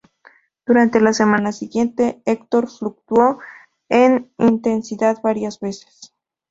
Durante la semana siguiente, Hector fluctuó en intensidad varias veces.